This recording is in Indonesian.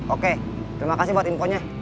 oke terima kasih buat infonya